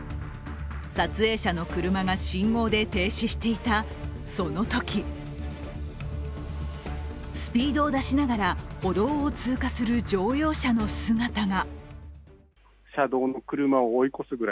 撮影者の車が信号で停止していたそのときスピードを出しながら歩道を通過する乗用車の姿が。